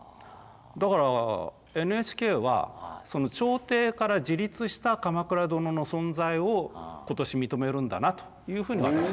だからＮＨＫは朝廷から自立した鎌倉殿の存在を今年認めるんだなというふうに私。